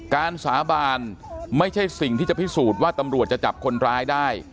สาบานไม่ใช่สิ่งที่จะพิสูจน์ว่าตำรวจจะจับคนร้ายได้